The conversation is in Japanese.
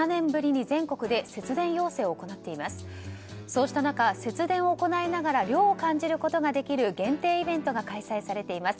そうした中、節電を行いながら涼を感じることができる限定イベントが開催されています。